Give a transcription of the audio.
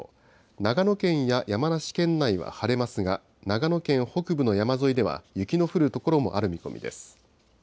長野県や山梨県内は晴れますが、長野県北部の山沿いでは、雪の降る所もある見込みです。